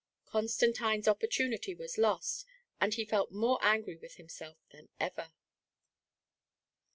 Constantine's opportunity was lost, and he felt more angry with himself than ever.